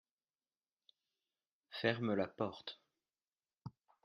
ferme la porte.